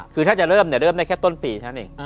คือถ้าจะเริ่มเริ่มได้แค่ต้นปีเท่านั้นเอง